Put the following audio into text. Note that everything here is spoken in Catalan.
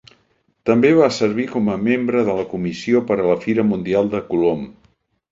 També va servir com a membre de la Comissió per la Fira Mundial de Colom.